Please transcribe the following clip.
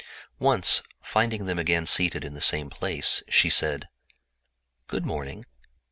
Once, finding them seated in the same place, she said: "Good morning.